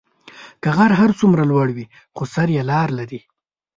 که غر هر څومره لوړی وي، خو سر یې لار لري.